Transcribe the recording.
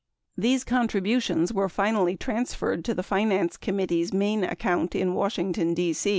These contributions were finally transferred to the finance committee's main account in Washington, D.